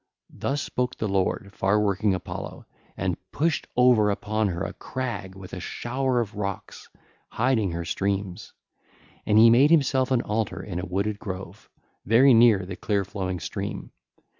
(ll. 382 387) Thus spoke the lord, far working Apollo, and pushed over upon her a crag with a shower of rocks, hiding her streams: and he made himself an altar in a wooded grove very near the clear flowing stream.